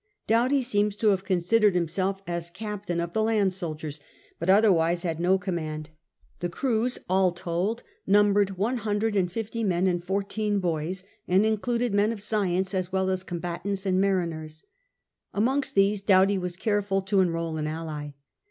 Doughty seems to have considered himself as Captain of the Land soldiers, but otherwise had no command. The crews, all told, numbered one hundred and fifty men and fourteen boys, and included men of science as well as combatants and mariner& Amongst these Doughty was careful to enrol an ally.